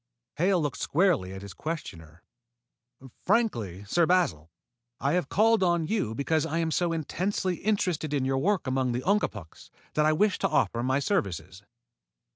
Hale looked squarely at his questioner. "Frankly, Sir Basil, I have called on you because I am so intensely interested in your work among the Ungapuks that I wish to offer my services."